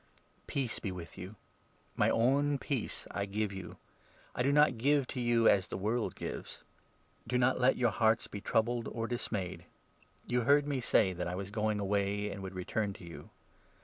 Peace be with you ! My own 27 peace I give you. I do not give to you as the world gives. Do not let your hearts be troubled, or dismayed. You heard 28 me say that I was going away and would return to you.